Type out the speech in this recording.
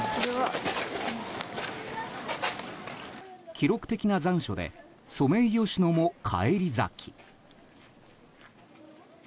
記録的な残暑でソメイヨシノも返り咲き。